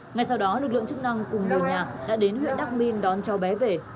ngày sau đó lực lượng chức năng cùng người nhà đã đến huyện đắk minh đón cho bé về